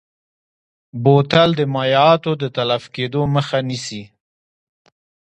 بوتل د مایعاتو د تلف کیدو مخه نیسي.